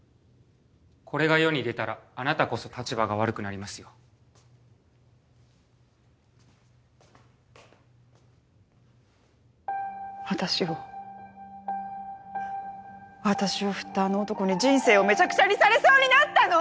これが世に出たらあなたこそ立場が悪私を私をフッたあの男に人生をめちゃくちゃにされそうになったの！